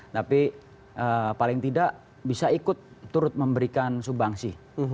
tapi paling tidak bisa ikut turut memberikan subangsi